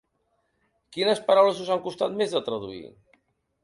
Quines paraules us han costat més de traduir?